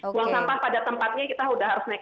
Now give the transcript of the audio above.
buang sampah pada tempatnya kita sudah harus naik